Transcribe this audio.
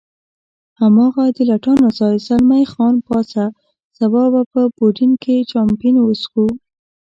هماغه د لټانو ځای، زلمی خان پاڅه، سبا به په یوډین کې چامپېن وڅښو.